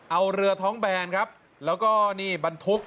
เอาเรือท้องแบนครับแล้วก็นี่บรรทุก